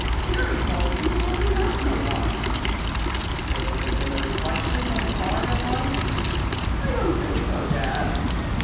"Jerry tells me the building has no watchman." "Could it have been a reflection from a car headlight?" "I don't think so, Dad."